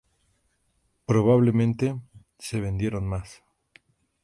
Probablemente, se vendieron más.